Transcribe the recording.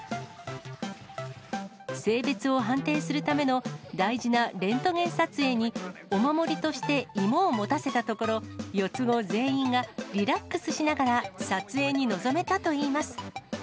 性別を判定するための大事なレントゲン撮影に、お守りとして芋を持たせたところ、４つ子全員がリラックスしながら撮影に臨めたといいます。